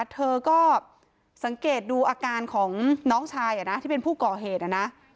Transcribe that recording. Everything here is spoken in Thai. เธอก็สังเกตดูอาการของน้องชายที่เป็นผู้ก่อเหตุนะ